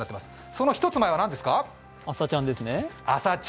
その前は何ですか？